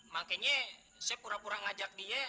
makanya saya pura pura ngajak dia